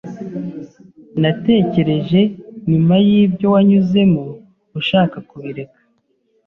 Natekereje nyuma yibyo wanyuzemo, ushaka kubireka.